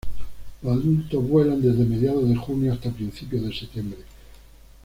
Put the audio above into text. Los adultos vuelan desde mediados de junio hasta principios de septiembre.